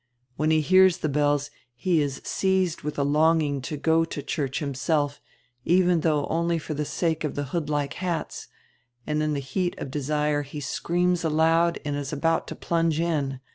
When he hears the hells he is seized with a longing to go to church himself, even though only for the sake of the hoodlike hats, and in the heat of desire he screams aloud and is ahout to plunge in.